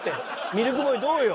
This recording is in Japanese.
ミルクボーイどうよ？